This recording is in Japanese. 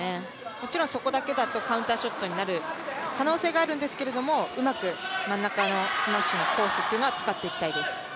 もちろんそこだけだとカウンターショットになる可能性があるんですけど、うまく真ん中のスマッシュのコースというのは使っていきたいです。